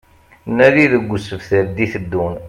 Nadi deg usebter d-iteddun